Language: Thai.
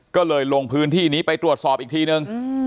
ก็เลยลงพื้นที่นี้ไปตรวจสอบอีกทีนึง